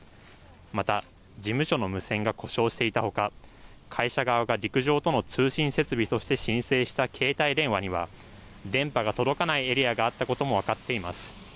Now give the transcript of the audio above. また事務所の無線が故障していたほか会社側が陸上との通信設備として申請した携帯電話には電波が届かないエリアがあったことも分かっています。